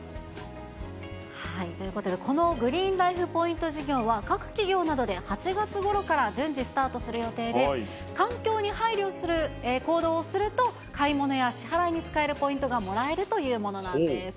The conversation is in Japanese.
ということで、このグリーンライフ・ポイント事業は、各企業などで８月ごろから順次、スタートする予定で、環境に配慮する行動をすると、買い物や支払いに使えるポイントがもらえるというものなんです。